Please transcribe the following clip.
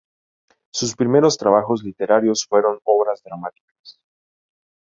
Sus primeros trabajos literarios fueron obras dramáticas.